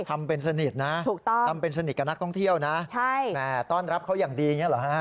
ทำเป็นสนิทนะถูกต้องทำเป็นสนิทกับนักท่องเที่ยวนะแหมต้อนรับเขาอย่างดีอย่างนี้เหรอฮะ